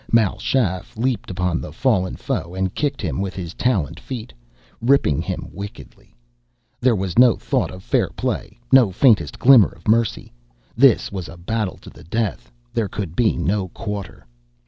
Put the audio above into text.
Mal Shaff leaped upon the fallen foe and kicked him with his taloned feet, ripping him wickedly. There was no thought of fair play, no faintest glimmer of mercy. This was a battle to the death: there could be no quarter.